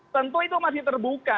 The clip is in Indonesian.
tentu itu masih terbuka